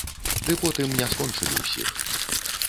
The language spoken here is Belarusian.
Ды потым не скончылі ўсіх.